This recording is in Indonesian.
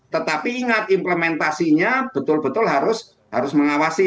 tetapi ingat implementasinya betul betul harus mengawasi